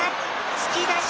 突き出し。